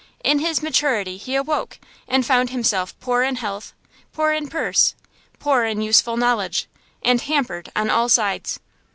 In his maturity he awoke, and found himself poor in health, poor in purse, poor in useful knowledge, and hampered on all sides.